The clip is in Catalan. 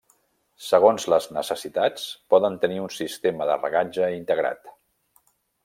Segons les necessitats, poden tenir un sistema de regatge integrat.